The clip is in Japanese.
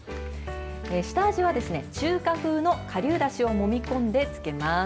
下味は中華風のかりゅうだしをもみ込んでつけます。